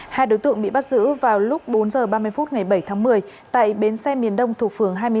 hai đối tượng bị bắt giữ vào lúc bốn h ba mươi phút ngày bảy tháng một mươi tại bến xe miền đông thuộc phường hai mươi một